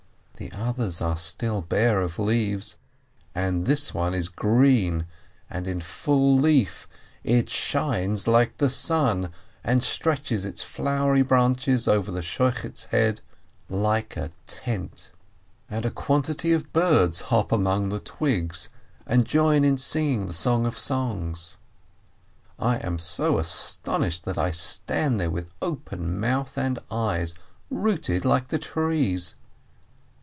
The others are still bare of leaves, and this one is green and in full leaf, it shines IT IS WELL 69 like the sun, and stretches its flowery branches over the Shochet's head like a tent. And a quantity of birds hop among the twigs and join in singing the Song of Songs. I am so astonished that I stand there with open mouth and eyes, rooted like the trees.